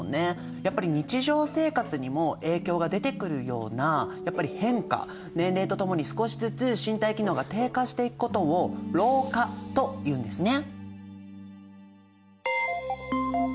やっぱり日常生活にも影響が出てくるようなやっぱり変化年齢とともに少しずつ身体機能が低下していくことを老化というんですね。